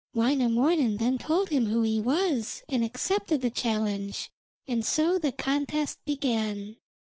Wainamoinen then told him who he was, and accepted the challenge, and so the contest began.